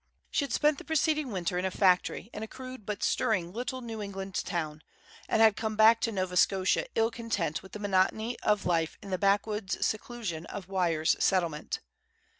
She had spent the preceding winter in a factory in a crude but stirring little New England town, and had come back to Nova Scotia ill content with the monotony of life in the backwoods seclusion of Wyer's Settlement.